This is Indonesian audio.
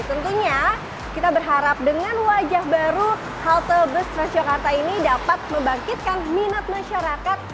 tentunya kita berharap dengan wajah baru halte bus transjakarta ini dapat membangkitkan minat masyarakat